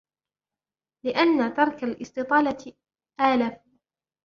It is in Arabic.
لِأَنَّ تَرْكَ الِاسْتِطَالَةِ آلَفُ